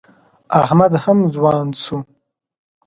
احمد هم ځوان شو.